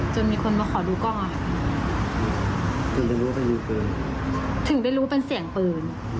จนมีคนมาขอดูกล้องอ่ะถึงได้รู้เป็นเสียงเปลือง